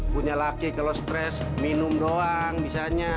punya laki kalau stres minum doang misalnya